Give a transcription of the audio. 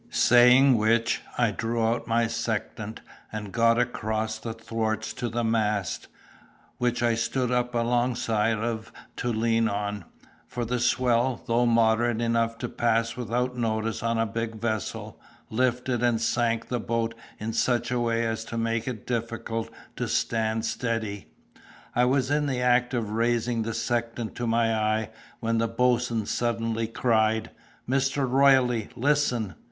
Saying which, I drew out my sextant and got across the thwarts to the mast, which I stood up alongside of to lean on; for the swell, though moderate enough to pass without notice on a big vessel, lifted and sank the boat in such a way as to make it difficult to stand steady. I was in the act of raising the sextant to my eye, when the boatswain suddenly cried, "Mr. Royle, listen!"